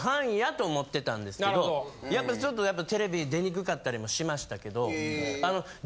やっぱちょっとテレビに出にくかったりもしましたけど。